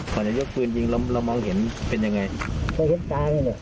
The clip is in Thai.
ก่อนจะยกฟืนยิงเรามองเห็นเป็นอย่างไร